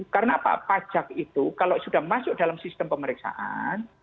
karena pak pajak itu kalau sudah masuk dalam sistem pemeriksaan